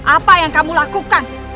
apa yang kamu lakukan